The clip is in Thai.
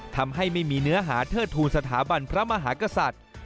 ทำให้ไม่มีเนื้อหาเทิดทูลสถาบันพระมหากษัตริย์